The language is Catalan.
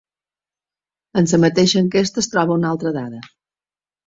En la mateixa enquesta es troba una altra dada.